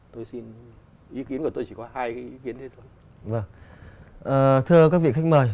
thưa các vị khách mời